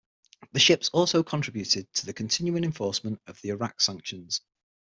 The ships also contributed to the continuing enforcement of the Iraq sanctions.